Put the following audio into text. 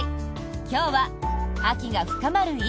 今日は、秋が深まる今！